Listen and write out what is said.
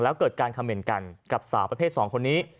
แล้วเกิดการคอมเมนต์กับสาวประเภท๒คนนี้